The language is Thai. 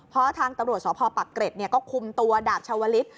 เพราะทางตำรวจสพปักเกร็ดก็คุมตัวดาบชาวลิศ